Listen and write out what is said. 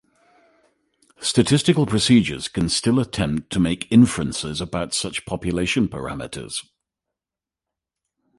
Statistical procedures can still attempt to make inferences about such population parameters.